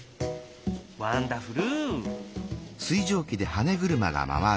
ワンダフル！